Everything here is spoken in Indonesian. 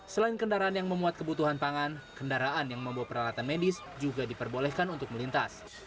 selain kendaraan yang memuat kebutuhan pangan kendaraan yang membawa peralatan medis juga diperbolehkan untuk melintas